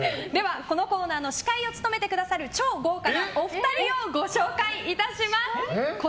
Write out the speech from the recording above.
このコーナーの司会を務めてくださる超豪華なお二人をご紹介いたします。